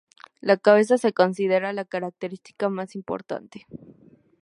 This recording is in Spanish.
La cabeza se considera la característica más importante.